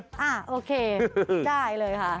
อ่าโอเคได้เลยค่ะ